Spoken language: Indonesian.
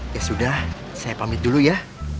ya sudah saya pamit dulu ya